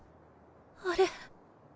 あれ。